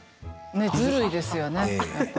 ずるいですよね。